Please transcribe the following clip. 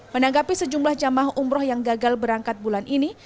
menanggapi sejumlah jamaah umroh yang gagal berangkat bulan ini